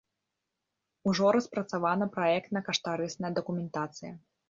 Ужо распрацавана праектна-каштарысная дакументацыя.